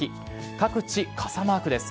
各地、傘マークです。